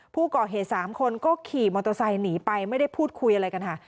ผู้ก่อเหตุ๓คนก็ขี่มอเตอร์ไซค์หนีไปไม่ได้พูดคุยอะไรกันค่ะ